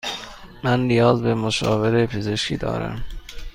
من نیاز به مشاوره پزشکی دارم.